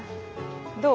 どう？